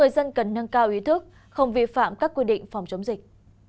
dân cần nâng cao ý thức không vi phạm các quy định phòng chống dịch